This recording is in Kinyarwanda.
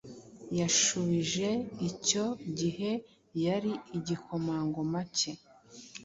yashubije icyo gihe yari igikomangoma cye